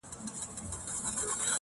غلیمان به یې تباه او نیمه خوا سي-